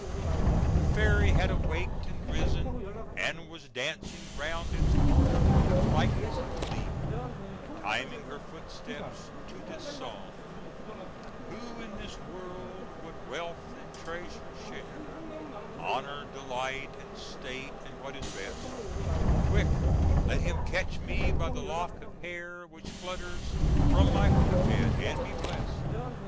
The fairy had awaked and risen, and was dancing round its border with the lightness of a leaf, timing her footsteps to this song: "Who in this world would wealth and treasure share, Honor, delight, and state, and what is best, Quick let him catch me by the lock of hair Which flutters from my forehead; and be blest.